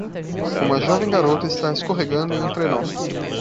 Uma jovem garota está escorregando em um trenó.